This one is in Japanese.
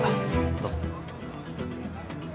どうぞ。